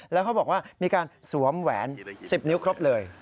แล้วเขาบอกว่ามีการสวมแหวน๑๐นิ้วครบเลย